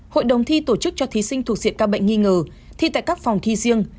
hội đồng thi tổ chức cho thí sinh thuộc diện ca bệnh nghi ngờ thi tại các phòng thi riêng